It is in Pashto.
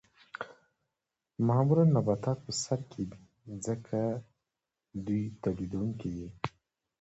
معمولاً نباتات په سر کې دي ځکه دوی تولیدونکي دي